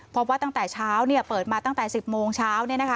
พบว่าตั้งแต่เช้าเปิดมาตั้งแต่๑๐โมงเช้า